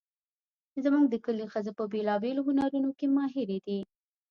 زموږ د کلي ښځې په بیلابیلو هنرونو کې ماهرې دي